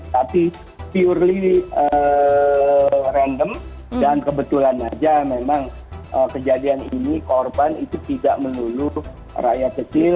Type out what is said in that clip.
tapi purely random dan kebetulan saja memang kejadian ini korban itu tidak melulu rakyat kecil